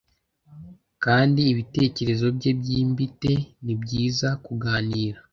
Kandi ibitekerezo bye byimbite, nibyiza kuganira